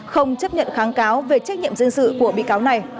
không chấp nhận kháng cáo về trách nhiệm dân sự của bị cáo này